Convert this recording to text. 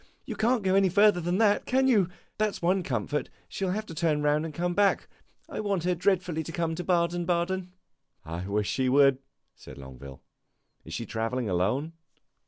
You can't go any further than that, can you? That 's one comfort; she will have to turn round and come back. I want her dreadfully to come to Baden Baden." "I wish she would," said Longueville. "Is she travelling alone?"